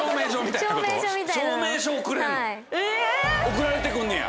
送られて来んねや？